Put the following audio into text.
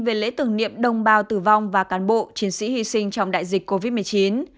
về lễ tưởng niệm đồng bào tử vong và cán bộ chiến sĩ hy sinh trong đại dịch covid một mươi chín